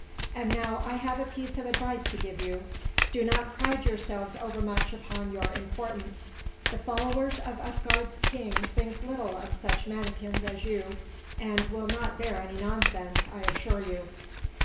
And now I have a piece of advice to give you. Do not pride yourselves overmuch upon your importance. The followers of Utgard's king think little of such manikins as you, and will not bear any nonsense, I assure you.